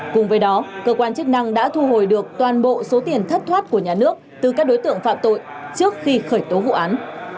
cùng với đó cơ quan chức năng đã thu hồi được toàn bộ số tiền thất thoát của nhà nước từ các đối tượng phạm tội trước khi khởi tố vụ án